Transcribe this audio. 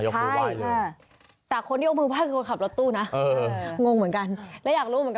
ใช่ค่ะยกมือไว้เลย